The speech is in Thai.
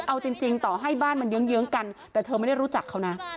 เอาจริงต่อให้บ้านมันเยื้องกันแต่เธอไม่ได้รู้จักเขานะ